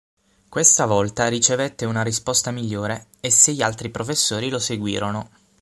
Questa volta ricevette una risposta migliore e sei altri professori lo seguirono.